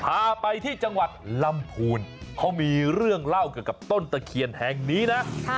พาไปที่จังหวัดลำพูนเขามีเรื่องเล่าเกี่ยวกับต้นตะเคียนแห่งนี้นะ